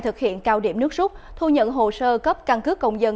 thực hiện cao điểm nước rút thu nhận hồ sơ cấp căn cước công dân